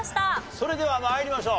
それでは参りましょう。